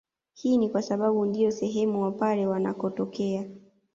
Hii ni kwasababu ndiyo sehem wapare wanakotokea